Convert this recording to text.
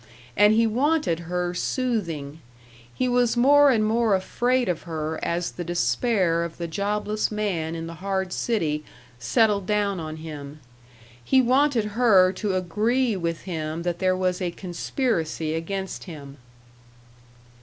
And he wanted her soothing. He was more and more afraid of her as the despair of the jobless man in the hard city settled down on him. He wanted her to agree with him that there was a conspiracy against him.